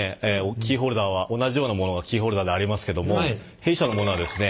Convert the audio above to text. キーホルダーは同じようなものがキーホルダーでありますけども弊社のものはですね